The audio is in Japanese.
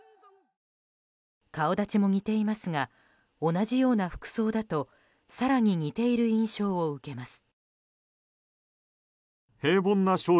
顔立ちも似ていますが同じような服装だと更に似ている印象を受けます。